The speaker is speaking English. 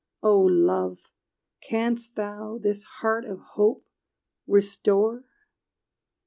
O Love, canst thou this heart of hope restore?